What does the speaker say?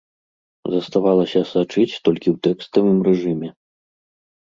Заставалася сачыць толькі ў тэкставым рэжыме.